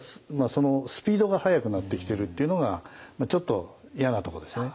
そのスピードが速くなってきてるっていうのがちょっと嫌なとこですね。